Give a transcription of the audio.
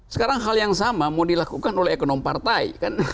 sekarang hal yang sama mau dilakukan oleh ekonom partai